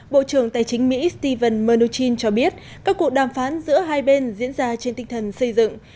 bộ trưởng tài chính mỹ stephen mnuchin cho biết các cuộc đàm phán giữa hai bên diễn ra trên tinh thần xây dựng